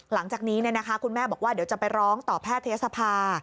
หลังจากนี้คุณแม่บอกว่าเดี๋ยวจะไปร้องต่อแพทยศภา